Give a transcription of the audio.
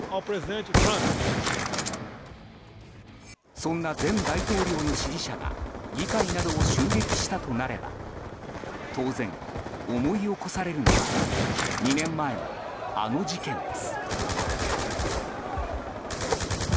そんな前大統領の支持者が議会などを襲撃したとなれば当然、思い起こされるのは２年前の、あの事件です。